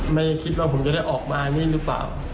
ไม่คิดว่าผมจะได้ออกมานี่หรือเปล่า